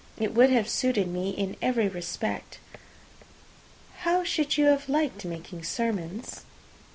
It would have suited me in every respect." "How should you have liked making sermons?"